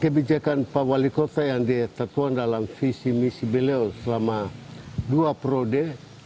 kebijakan pak wali kota yang ditetapkan dalam visi misi beliau selama dua periode